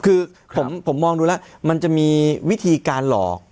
คือผมมองดูแล้วมันจะมีวิธีการหลอก